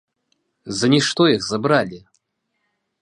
За нішто іх забралі!